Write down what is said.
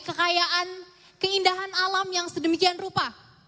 kekayaan keindahan alam yang sedemikian rupa